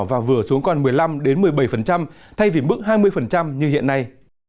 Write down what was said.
và vừa xuống còn một mươi năm một mươi bảy thay vì mức hai mươi như hiện nay